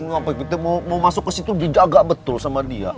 kita mau masuk ke situ dijaga betul sama dia